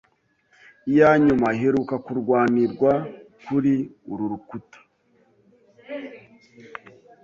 iya nyuma iheruka kurwanirwa kuri uru rukuta